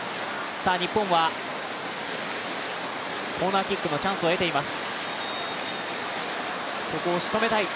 日本はコーナーキックのチャンスを得ています。